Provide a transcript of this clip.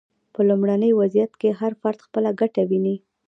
په لومړني وضعیت کې هر فرد خپله ګټه ویني.